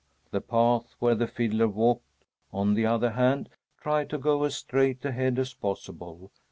The path where the fiddler walked, on the other hand, tried to go as straight ahead as possible.